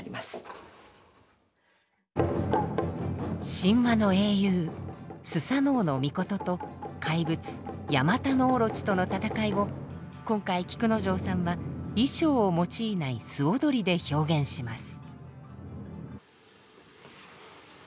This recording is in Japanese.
神話の英雄スサノオノミコトと怪物ヤマタノオロチとの戦いを今回菊之丞さんは衣装を用いない素踊りで表現します。